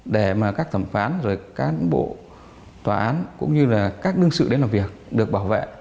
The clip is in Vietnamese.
để mà các thẩm phán rồi cán bộ tòa án cũng như là các đương sự đến làm việc được bảo vệ